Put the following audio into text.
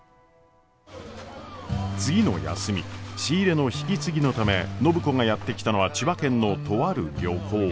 次の休み仕入れの引き継ぎのため暢子がやって来たのは千葉県のとある漁港。